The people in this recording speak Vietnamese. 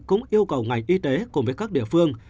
cũng yêu cầu ngành y tế cùng với các địa phương